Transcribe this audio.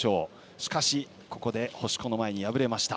しかし、星子の前に敗れました。